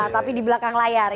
tapi di belakang layar